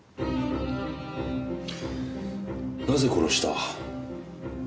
なぜ殺した？